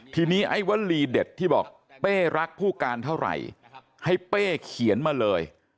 ทีนี้ไอ้วลีเด็ดที่บอกเป้รักผู้การเท่าไหร่ให้เป้เขียนมาเลย